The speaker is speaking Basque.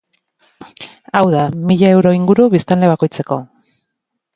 Hau da, mila euro inguru biztanle bakoitzeko.